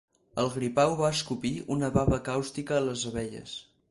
El gripau va escopir una baba càustica a les abelles.